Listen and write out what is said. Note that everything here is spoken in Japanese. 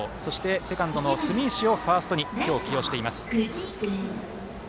セカンドの住石をファーストに起用しています。